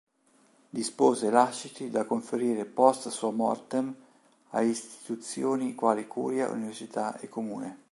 Dispose lasciti da conferire "post sua mortem" a Istituzioni quali Curia, Università e Comune.